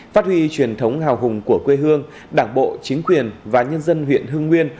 phát huy truyền thống hào hùng của quê hương đảng bộ chính quyền và nhân dân huyện hưng nguyên